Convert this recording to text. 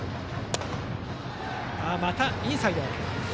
またインサイドへ。